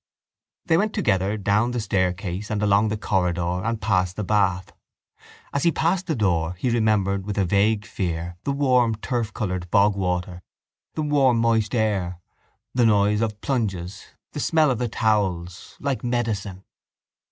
They went together down the staircase and along the corridor and past the bath. As he passed the door he remembered with a vague fear the warm turfcoloured bogwater, the warm moist air, the noise of plunges, the smell of the towels, like medicine.